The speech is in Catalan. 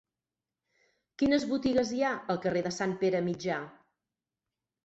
Quines botigues hi ha al carrer de Sant Pere Mitjà?